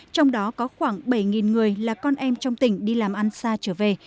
trong đó có khoảng bảy người là con em trong tỉnh đi làm ăn xa trở về